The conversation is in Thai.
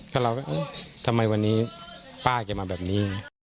ก็เราก็เอ๊ะทำไมวันนี้ป้าจะมาแบบนี้